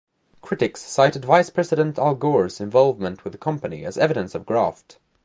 Critics cited Vice President Al Gore's involvement with the company as evidence of graft.